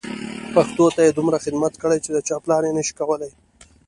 پښتو ته یې دومره خدمت کړی چې د چا پلار یې نه شي کولای.